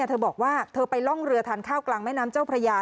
เธอบอกว่าเธอไปร่องเรือทานข้าวกลางแม่น้ำเจ้าพระยา